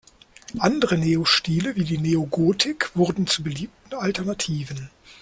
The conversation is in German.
Andere Neo-Stile wie die Neogotik wurden zu beliebten Alternativen.